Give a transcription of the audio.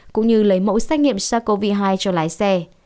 cũng như lấy mẫu xét nghiệm sars cov hai cho lái xe